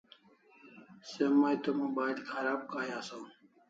Se may to mobile kharab kay asaw